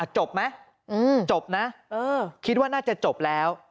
จบไหมจบนะคิดว่าน่าจะจบแล้ว